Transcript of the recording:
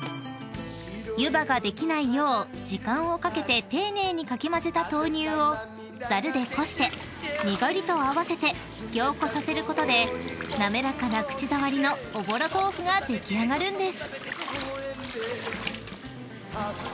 ［湯葉ができないよう時間をかけて丁寧にかき混ぜた豆乳をざるでこしてにがりと合わせて凝固させることで滑らかな口触りのおぼろ豆腐が出来上がるんです］